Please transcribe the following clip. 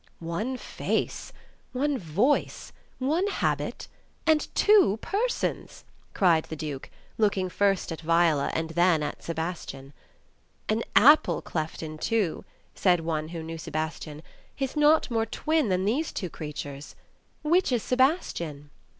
"One face, one voice, one habit, and two persons!" cried the Duke, looking first at Viola, and then at Sebastian. "An apple cleft in two," said one who knew Sebastian, "is not more twin than these two creatures. Which is Sebastian?"